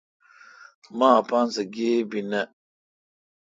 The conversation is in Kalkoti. مہ اپاسہ گیب ای نہ۔